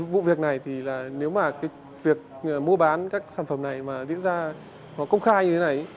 vụ việc này thì nếu mà việc mua bán các sản phẩm này mà diễn ra công khai như thế này